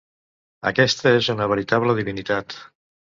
Aquesta és una veritable divinitat.